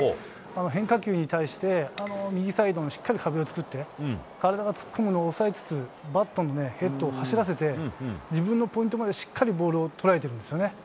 変化球に対して、右サイドにしっかり壁を作って、体が突っ込むのを抑えつつ、バットのヘッドを走らせて、自分のポイントまでしっかりボールを捉えてるんですよね。